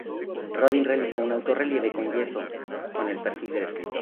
Rodin realizó un altorrelieve en yeso con el perfil del escritor.